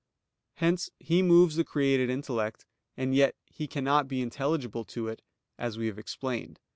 Hence He moves the created intellect, and yet He cannot be intelligible to it, as we have explained (Q.